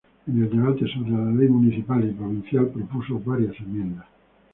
En el debate sobre la Ley municipal y provincial propuso varias enmiendas.